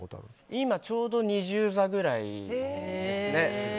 今、ちょうど２０山ぐらいですね。